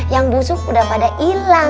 yang busuk udah pada hilang